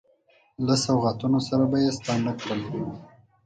له سوغاتونو سره به یې ستانه کړل.